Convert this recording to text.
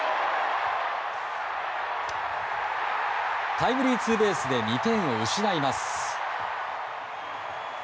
タイムリーツーベースで２点を失います。